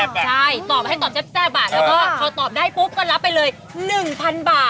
ใช่ตอบให้ตอบแซ่บบาทแล้วก็พอตอบได้ปุ๊บก็รับไปเลย๑๐๐๐บาท